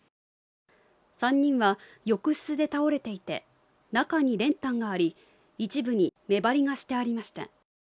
３人は浴室で倒れていて、中に練炭があり、一部に目張りがしてありました。